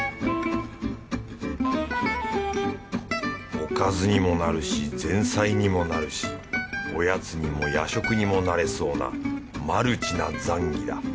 おかずにもなるし前菜にもなるしおやつにも夜食にもなれそうなマルチなザンギだ。